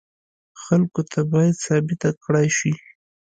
خلکو ته باید ثابته کړای شي.